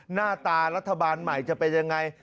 หน้าตารัฐบาลใหม่จะเป็นยังไง